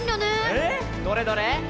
ええ⁉どれどれ。